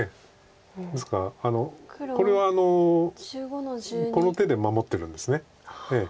ですからこれはこの手で守ってるんです。